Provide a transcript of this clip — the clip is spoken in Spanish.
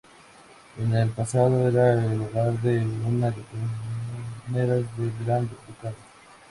En el pasado, era el hogar de una aduaneras del Gran Ducado.